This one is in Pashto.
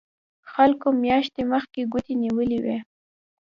خلکو میاشتې مخکې کوټې نیولې وي